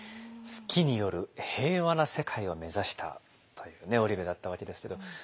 数寄による平和な世界を目指したという織部だったわけですけど。